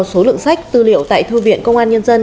số lượng sách tư liệu tại thư viện công an nhân dân